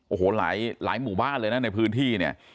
โอ้โหหลายหมู่บ้านเลยนะในพื้นที่เนี่ย